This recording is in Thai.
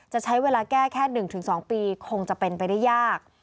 จะใช้เวลาแก้แค่๑๒ปีคงจะเป็นไปได้ยาก